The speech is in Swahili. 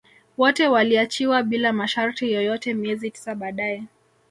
Wote waliachiwa bila masharti yoyote miezi tisa baadae